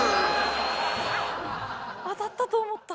当たったと思った。